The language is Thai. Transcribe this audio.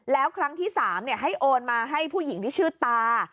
แล้วครั้งที่๓ให้โอนมาให้ผู้หญิงที่ชื่อตา